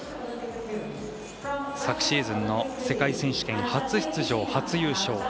昨シーズンの世界選手権初出場、初優勝。